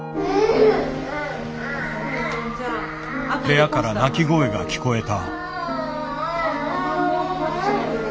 ・部屋から泣き声が聞こえた。